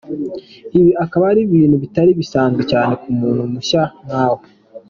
Ibi akaba ari ibintu bitari bisanzwe cyane ku muntu mushya nkawe.